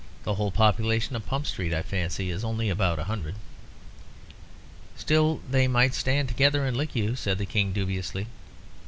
The whole population of Pump Street, I fancy, is only about a hundred." "Still they might stand together and lick you," said the King, dubiously.